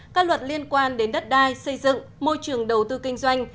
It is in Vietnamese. các luật liên quan đến đất đai xây dựng môi trường đầu tư kinh doanh